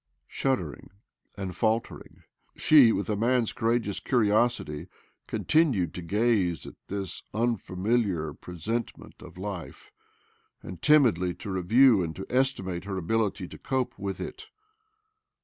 ■. Shuddering and faltering, she, with A 2б4 OBLOMOV man's couragieous curiosity, continued to gaze at this unfamiliar presentment of life, and timidly to review and to estimate her ability to cope with it.